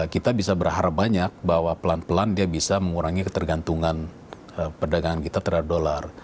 kita bisa berharap banyak bahwa pelan pelan dia bisa mengurangi ketergantungan perdagangan kita terhadap dolar